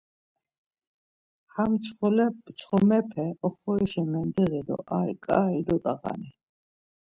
Ham çxomepe oxorişa mendiği do ar ǩai dot̆ağani.